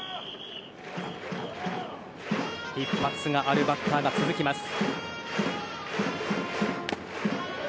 一発があるバッターが続きます。